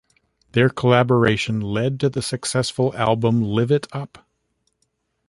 Their collaboration led to the successful album "Live It Up".